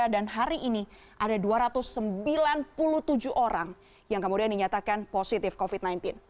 dan hari ini ada dua ratus sembilan puluh tujuh orang yang kemudian dinyatakan positif covid sembilan belas